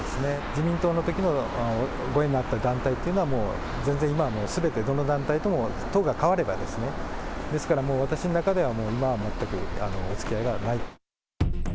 自民党のときのご縁があった団体というのは、全然今はもうすべて党が変われば、ですから、もう私の中では今は全くおつきあいがないと。